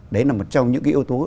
đấy là một trong những cái yếu tố